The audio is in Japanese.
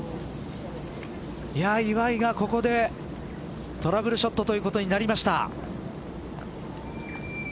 岩井がここでトラブルショットということになりました。